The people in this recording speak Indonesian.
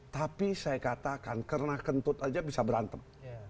tapi saya katakan karena kentut saja bisa berantem